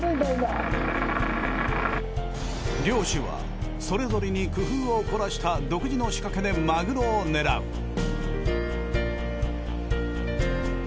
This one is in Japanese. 漁師はそれぞれに工夫を凝らした独自の仕掛けでマグロを狙う。